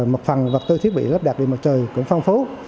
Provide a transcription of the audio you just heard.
mặt phẳng vật tư thiết bị lắp đặt điện mặt trời cũng phong phú